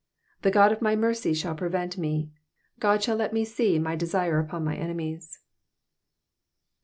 10 The God of my mercy shall prevent me : God shall let me see my desire upon mine enemies.